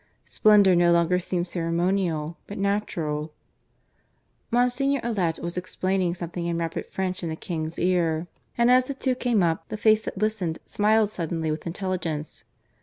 Splendour no longer seemed ceremonial, but natural. Monsignor Allet was explaining something in rapid French in the King's ear, and as the two came up, the face that listened smiled suddenly with intelligence.